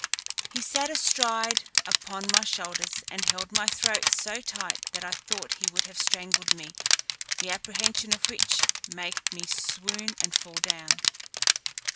He sat astride upon my shoulders, and held my throat so tight, that I thought he would have strangled me, the apprehension of which make me swoon and fall down.